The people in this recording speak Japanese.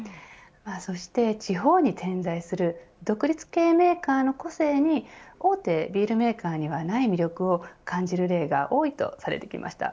そして地方に点在する独立系メーカーの個性に大手ビールメーカーにはない魅力を感じる例が多いとされてきました。